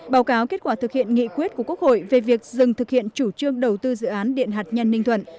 báo cáo kết quả thực hiện nghị quyết của quốc hội về việc dừng thực hiện chủ trương đầu tư dự án điện hạt nhân ninh thuận